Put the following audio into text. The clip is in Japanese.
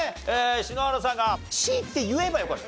篠原さんが「Ｃ」って言えばよかった。